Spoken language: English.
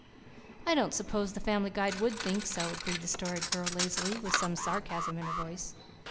"I don't suppose the Family Guide would think so," agreed the Story Girl lazily, with some sarcasm in her voice.